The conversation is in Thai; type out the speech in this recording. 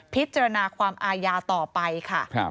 พิจารณาความอาญาต่อไปค่ะ